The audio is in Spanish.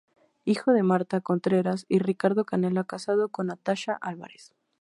Hijo de Marta Contreras y Ricardo Canela, casado con Natasha Álvarez.